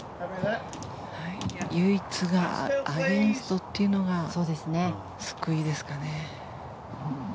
唯一アゲンストというのが救いですかね。